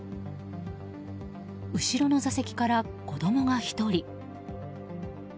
後ろの座席から子供が１人。